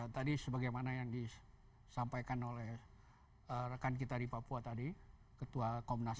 tadi sebagaimana yang disampaikan oleh rekan kita di papua tadi ketua komnas